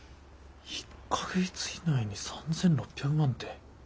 １か月以内に３，６００万って。